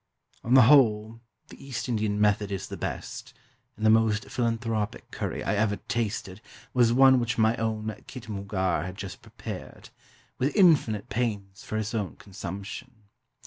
On the whole, the East Indian method is the best; and the most philanthropic curry I ever tasted was one which my own Khitmughar had just prepared, with infinite pains, for his own consumption.